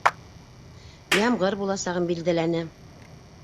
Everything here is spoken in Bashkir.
Ямғыр буласағын билдәләне.